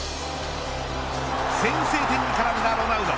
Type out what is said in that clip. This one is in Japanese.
先制点に絡んだロナウド。